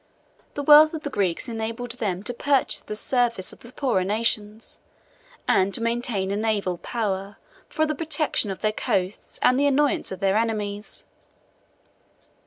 The wealth of the Greeks enabled them to purchase the service of the poorer nations, and to maintain a naval power for the protection of their coasts and the annoyance of their enemies.